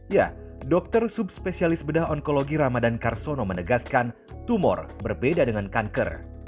ya dokter subspesialis bedah onkologi ramadan karsono menegaskan tumor berbeda dengan kanker